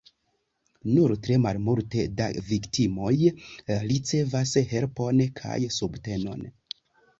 Nur tre malmulte da viktimoj ricevas helpon kaj subtenon.